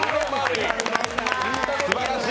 すばらしい！